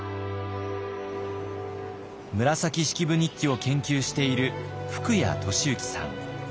「紫式部日記」を研究している福家俊幸さん。